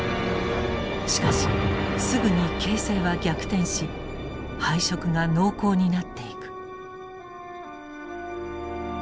しかしすぐに形勢は逆転し敗色が濃厚になっていく。